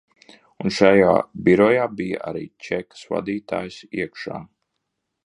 Un šajā birojā bija arī čekas vadītājs iekšā.